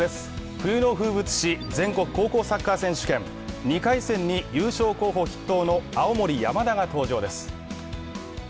冬の風物詩全国高校サッカー選手権２回戦に優勝候補筆頭の青森山田が登場です。